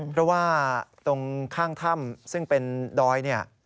เพราะว่าตรงข้างถ้ำซึ่งเป็นดอยเนี่ย